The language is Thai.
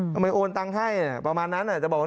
โอนตังค์ให้ประมาณนั้นจะบอกว่า